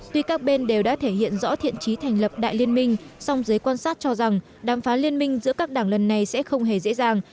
tuy các bên đều đã thể hiện rõ thiện trí thành lập đại liên minh song giới quan sát cho rằng đàm phán liên minh giữa các đảng lần này sẽ không hề dễ dàng